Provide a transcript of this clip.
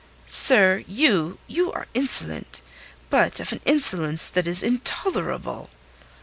"Sir, you... you are insolent! But of an insolence that is intolerable!"